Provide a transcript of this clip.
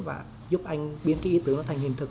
và giúp anh biến cái ý tưởng nó thành hiện thực